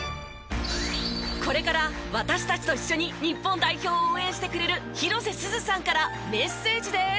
これから私たちと一緒に日本代表を応援してくれる広瀬すずさんからメッセージです。